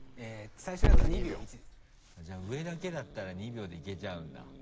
最初のやつは２秒１ですじゃあ上だけだったら２秒でいけちゃうんだ。